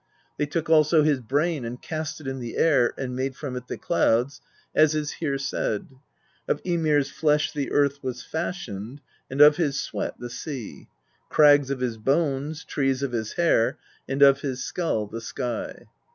They took also his brain and cast it in the air, and made from it the clouds, as is here said: Of Ymir's flesh the earth was fashioned. And of his sweat the sea; Crags of his bones, trees of his hair. And of his skull the sky.